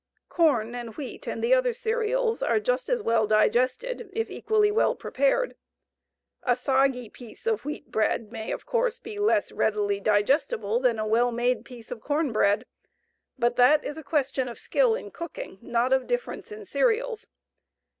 Corn and wheat and the other cereals are just as well digested if equally well prepared. A soggy piece of wheat bread may, of course, be less readily digestible than a well made piece of corn bread, but that is a question of skill in cooking, not of difference in cereals.